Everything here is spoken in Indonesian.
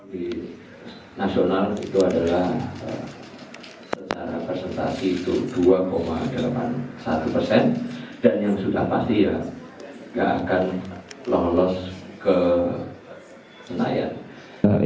di nasional itu adalah secara representasi itu dua delapan puluh satu persen dan yang sudah pasti ya nggak akan lolos ke senayan